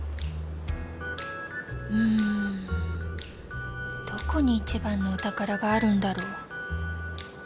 うんどこに一番のお宝があるんだろう。